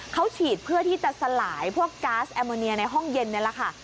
เขาฉีดเพื่อที่จะสลายพวกก๊าซแอมโมเนียในห้องเย็นนี่แหละค่ะ